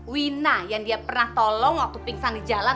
wina yang dia pernah tolong waktu pingsan di jalan